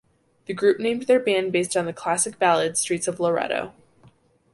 The group named their band based on the classic ballad Streets of Laredo.